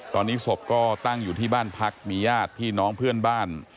ตอนนี้ศพก็ตั้งอยู่ที่บ้านพักมีญาติพี่น้องเพื่อนบ้าน